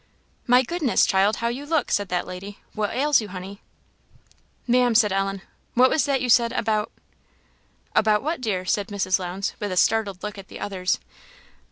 "My goodness, child, how you look!" said that lady. "What ails you, honey?" "Ma'am," said Ellen "what was that you said, about " "About what, dear?" said Mrs. Lowndes, with a startled look at the others.